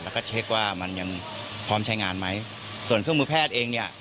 แล้วก็เช็คว่ามันยังพร้อมใช้งานไหมส่วนเครื่องมือแพทย์เองเนี่ย